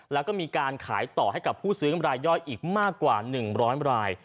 แล้วก็มีการขายต่อให้กับผู้ซื้อรายย่อยอีกมากกว่า๑๐๐ราย